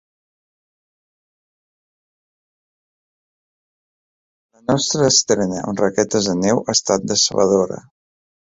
La nostra estrena amb raquetes de neu ha estat decebedora.